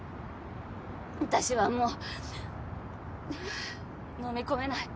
私はもうはぁのみ込めない。